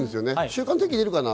週間天気、出るかな？